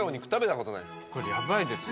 これやばいですよ